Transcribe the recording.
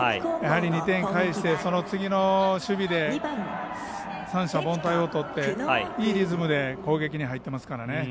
２点返してその次の守備で三者凡退をとっていいリズムで攻撃に入っていますからね。